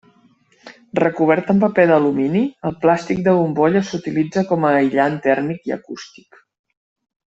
Recobert amb paper d'alumini, el plàstic de bombolles s'utilitza com a aïllant tèrmic i acústic.